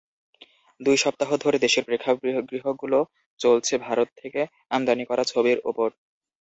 দুই সপ্তাহ ধরে দেশের প্রেক্ষাগৃহগুলো চলছে ভারত থেকে আমদানি করা ছবির ওপর।